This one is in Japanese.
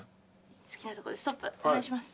好きなとこでストップお願いします。